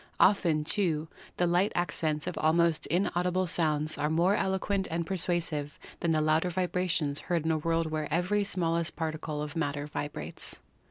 Often, too, the light accents of almost inaudible sounds are more eloquent and persuasive than the louder vibrations heard in a world where every smallest particle of matter vibrates.